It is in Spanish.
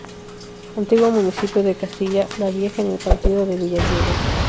Antiguo municipio de Castilla la Vieja en el partido de Villadiego.